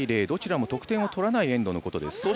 どちらも得点を取らないエンドのことです。